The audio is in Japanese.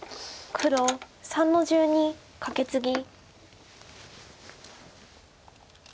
黒３の十二カケツギ。